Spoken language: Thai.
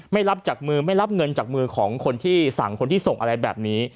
ไม่รับจากมือไม่รับเงินจากมือของคนที่สั่งคนที่ส่งอะไรแบบนี้